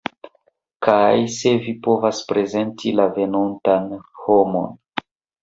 Kaj se vi povas prezenti la venontan homon